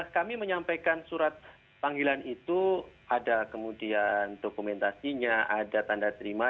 kami menyampaikan surat panggilan itu ada kemudian dokumentasinya ada tanda terima